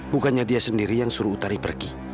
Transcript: bukannya dia sendiri yang suruh utari pergi